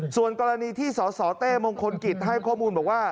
ส่วนกรณีที่สสเต้มงคลกิจให้ข้อมูลบอกว่า